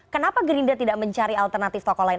kenapa gerindra tidak mencari alternatif tokoh lain